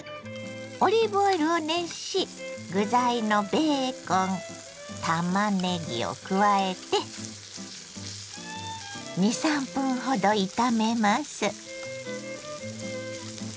オリーブオイルを熱し具材のベーコンたまねぎを加えて２３分ほど炒めます。